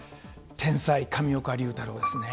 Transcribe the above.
天才、上岡龍太郎ですね。